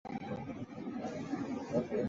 徙封长乐王。